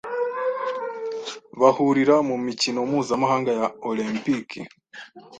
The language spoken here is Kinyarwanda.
bahurira mu mikino mpuzamahanga ya “Olempiki”.